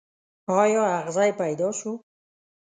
ایا اغزی پیدا شو.